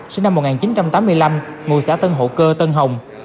sinh năm một nghìn chín trăm tám mươi năm ngôi xã tân hộ cơ tân hồng